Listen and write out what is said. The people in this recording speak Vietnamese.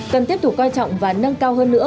cần tiếp tục coi trọng và nâng cao hơn nữa